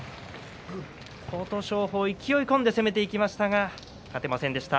琴勝峰、勢い込んで攻めていきましたが勝てませんでした。